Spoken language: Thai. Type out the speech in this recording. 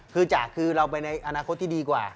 คือจากคือเราไปในอนาคตที่ดีกว่า